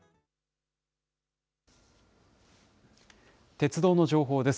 鉄道の情報です。